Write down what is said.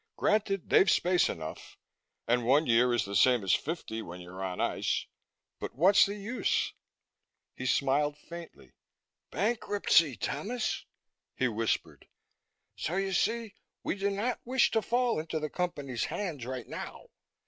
Granted, they've space enough and one year is the same as fifty when you're on ice. But what's the use?" He smiled faintly. "Bankruptcy, Thomas," he whispered. "So you see, we do not wish to fall into the Company's hands right now.